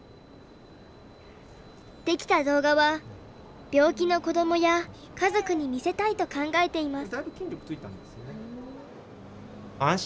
出来た動画は病気の子どもや家族に見せたいと考えています。